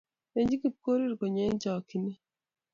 lechi Kipkorir konyo eng chakchinet